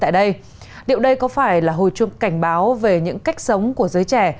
điệu đây có phải là hồi chung cảnh báo về những cách sống của giới trẻ